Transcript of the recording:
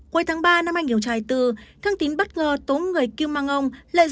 cuối tháng ba năm anh hiểu trai tư thương tín bất ngờ tốn người kiêu mang ông